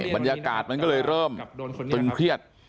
บรรยากาศมันก็เลยเริ่มตึงเครียด